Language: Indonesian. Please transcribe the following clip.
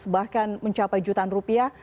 bahkan mencapai jutaan rupiah